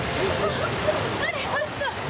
ありました。